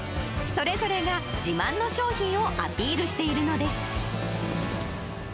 それぞれが自慢の商品をアピールしているのです。